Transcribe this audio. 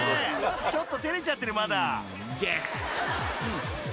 ちょっと照れちゃってるまだ］